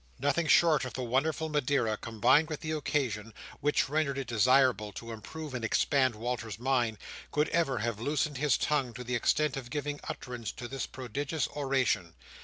Nothing short of the wonderful Madeira, combined with the occasion (which rendered it desirable to improve and expand Walter's mind), could have ever loosened his tongue to the extent of giving utterance to this prodigious oration.